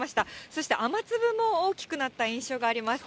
そして雨粒も大きくなった印象があります。